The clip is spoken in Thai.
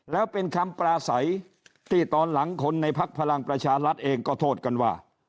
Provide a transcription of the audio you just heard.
แล้วเป็นคำปลาใสที่ตอนหลังคนในพักพลังประชารัฐเองก็โทษกันว่า